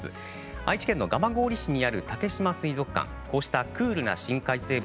愛知県の蒲郡市にある竹島水族館、こうした深海生物